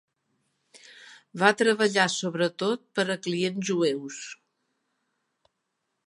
Va treballar sobretot per a clients jueus.